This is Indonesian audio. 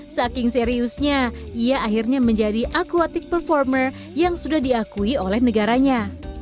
saking seriusnya ia akhirnya menjadi aquatic performer yang sudah diakui oleh negaranya